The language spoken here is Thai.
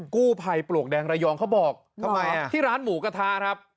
กู้ไพปลวกแดงระยองเขาบอกที่ร้านหมูกระทาครับ